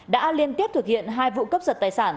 đã liên tiếp thực hiện hai vụ cướp giật tài sản